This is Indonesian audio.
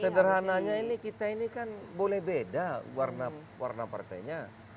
sederhananya ini kita ini kan boleh beda warna partainya